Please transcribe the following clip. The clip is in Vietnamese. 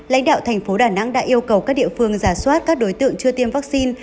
lãnh đạo thành phố đà nẵng đã yêu cầu các địa phương giả soát các đối tượng chưa tiêm vaccine